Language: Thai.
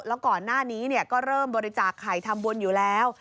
แล้วก่อนหน้านี้ก็เริ่มบริจาคไข่ทำบุญอยู่แล้ว